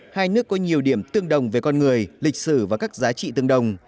hai nước có nhiều điểm tương đồng về con người lịch sử và các giá trị tương đồng